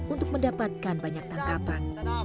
untuk mendapatkan banyak tangkapan